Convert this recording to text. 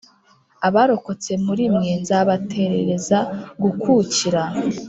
Abarokotse muri mwe nzabaterereza gukukira